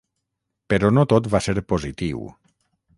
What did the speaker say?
Però no tot va ser positiu.